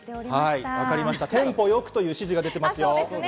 テンポ良くという指示が出ています。